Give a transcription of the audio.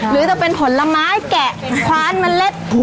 หรือจะเป็นผลไม้แกะคว้านเมล็ด